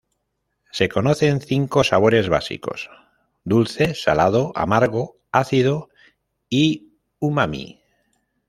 Se conocen cinco sabores básicos: dulce, salado, amargo, ácido y umami.